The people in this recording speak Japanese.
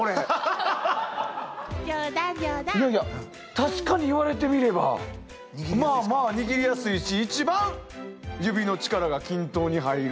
確かに言われてみればまあまあ握りやすいし一番指の力が均等に入る。